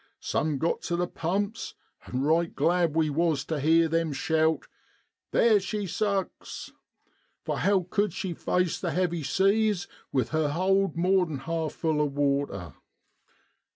Some got tu the pumps, and right glad we was tu heer them shout, 118 NOVEMBEU IN BROADLAND, 1 There she sucks !' for how cud she face the heavy seas with her hold more'an half full o' water?